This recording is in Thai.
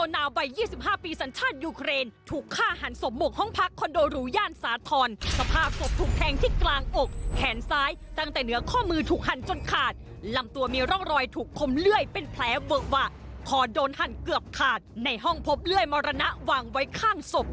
ในห้องพบเลื่อยมรณะวางไว้ข้างศพ